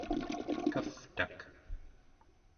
kavtak